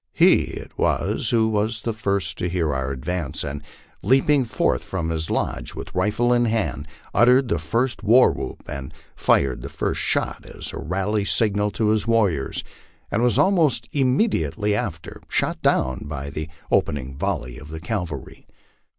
He it was who was the first to hear our advance, and leaping forth from his lodge with rifle in hand, uttered the first war whoop and fired the first shot as a rally signal to his warriors, and was almost immediately after shot down by the opening vol ley of the cavalry.